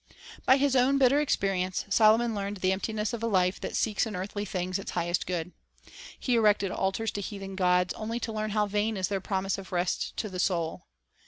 1 By his own bitter experience, Solomon learned the emptiness of a life that seeks in earthly things its highest good. He erected altars to heathen gods, only to learn how vain is their promise of rest to the soul.